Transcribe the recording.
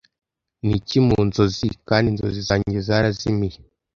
niki mu nzozi kandi inzozi zanjye zarazimiye